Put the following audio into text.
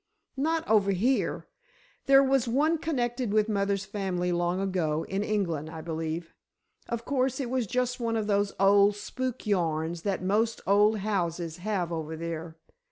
"Not over here. There was one connected with mother's family long ago, in England, I believe. Of course, it was just one of those old spook yarns that most old houses have over there.